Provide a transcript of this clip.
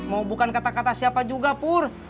mau bukan kata kata siapa juga pur